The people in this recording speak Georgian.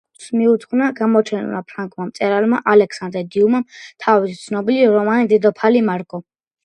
ამ ფაქტს მიუძღვნა გამოჩენილმა ფრანგმა მწერალმა ალექსანდრე დიუმამ თავისი ცნობილი რომანი დედოფალი მარგო.